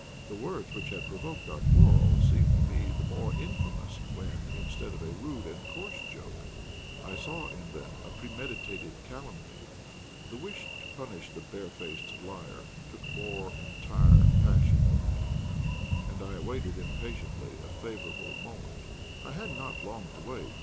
The words which had provoked our quarrel seemed to me the more infamous when, instead of a rude and coarse joke, I saw in them a premeditated calumny. The wish to punish the barefaced liar took more entire possession of me, and I awaited impatiently a favourable moment. I had not to wait long.